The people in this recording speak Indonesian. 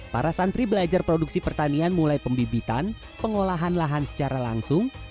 para santri belajar produksi pertanian mulai pembibitan pengolahan lahan secara langsung